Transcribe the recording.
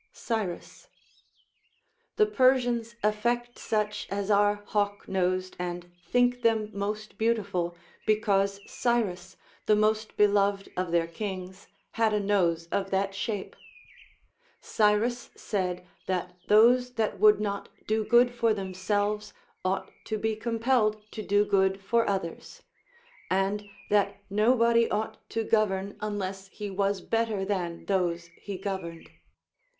Cyrus. The Persians affect such as are hawk nosed and think them most beautiful, because Cyrus, the most beloved of their kings, had a nose of that shape. Cyrus said that those that would not do good for themselves ought to be compelled to do good for others ; and that no body ought to govern, unless he was better than those he governed.